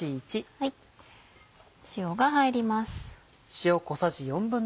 塩が入ります。